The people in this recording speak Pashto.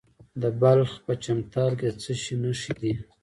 د بلخ په چمتال کې د څه شي نښې دي؟